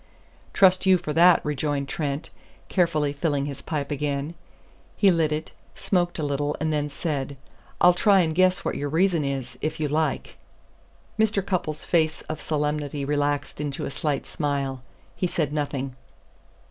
"Trust you for that," rejoined Trent, carefully filling his pipe again. He lit it, smoked a little and then said: "I'll try and guess what your reason is, if you like." Mr. Cupples' face of solemnity relaxed into a slight smile. He said nothing.